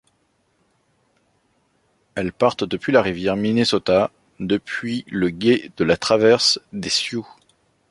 Elles partent depuis la rivière Minnesota depuis le gué de la Traverse des Sioux.